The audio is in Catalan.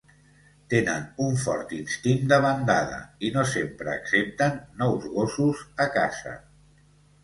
Tenen un fort instint de bandada i no sempre accepten nous gossos a casa.